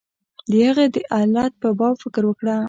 د هغې د علت په باب فکر وکړه.